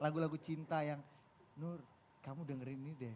lagu lagu cinta yang nur kamu dengerin ini deh